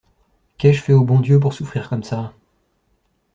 Qu’ai-je fait au bon Dieu pour souffrir comme ça!